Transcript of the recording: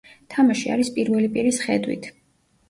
თამაში არის პირველი პირის ხედვით.